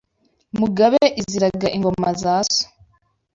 Mugabe iziraga ingoma za so